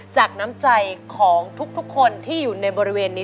น้ำใจของทุกคนที่อยู่ในบริเวณนี้